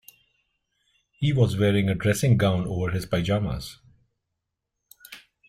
He was wearing a dressing gown over his pyjamas